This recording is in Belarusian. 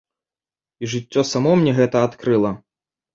І жыццё само мне гэта адкрыла.